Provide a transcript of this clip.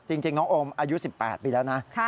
จริงน้องโอมอายุ๑๘ปีแล้วนะ